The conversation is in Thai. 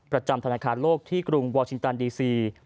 ประจำธนาคารโลกที่กรุงวอร์ชิงตันดีซี